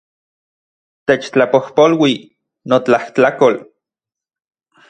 Techtlapojpolui, notlajtlakol